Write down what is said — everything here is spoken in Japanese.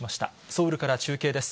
ソウルから中継です。